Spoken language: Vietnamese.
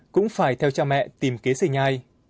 cũng phải theo cha mẹ tìm kế sĩ nhai